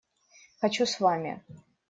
Хочу с вами!